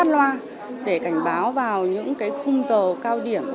loa để cảnh báo vào những khung giờ cao điểm